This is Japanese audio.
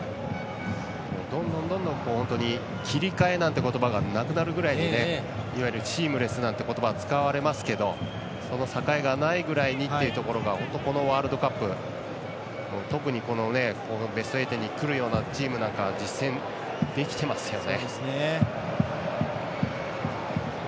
どんどん切り替えなんて言葉がなくなるぐらいいわゆる、シームレスなんていう言葉が使われますがその境がないくらいに本当に、このワールドカップ特にベスト８にくるようなチームなんかは実践できてますよね。